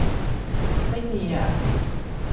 ไม่มีอ่ะ